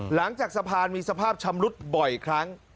หลังจากสะพานมีสภาพชำรุดบ่อยครั้ง